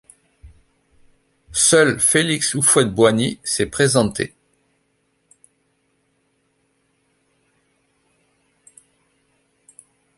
Seul Félix Houphouët-Boigny s'est présenté.